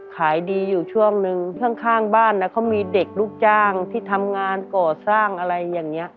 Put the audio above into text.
ขายดีอยู่ช่วงนึงข้างบ้านเขามีเด็กลูกจ้างที่ทำงานก่อสร้างอะไรอย่างนี้